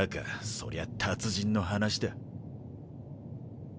そりゃ達人の話だ。